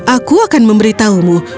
aku akan memberitahumu